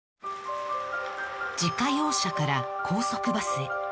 自家用車から高速バスへ